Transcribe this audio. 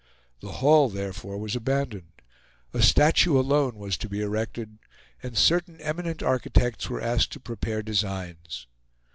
The Hall, therefore, was abandoned; a statue alone was to be erected; and certain eminent architects were asked to prepare designs.